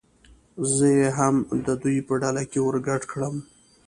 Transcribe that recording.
زه یې هم د دوی په ډله ور ګډ کړم.